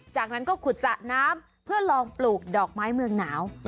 จากนั้นก็ขุดสระน้ำเพื่อลองปลูกดอกไม้เมืองหนาว